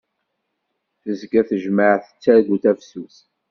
Tezga tejmaɛt tettargu tafsut.